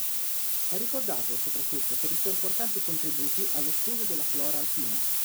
È ricordato, soprattutto, per i suoi importanti contributi allo studio della flora alpina.